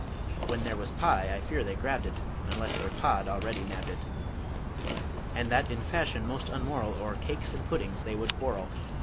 When there was pie, I fear they grabbed it, Unless their Pa'd already nabbed it; And that in fashion most unmoral O'er cakes and puddings they would quarrel.